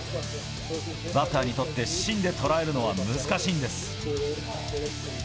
バッターにとって芯で捉えるのは難しいんです。